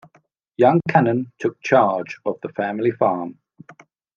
Young Cannon took charge of the family farm.